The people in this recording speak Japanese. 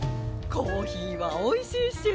コーヒーはおいしいし。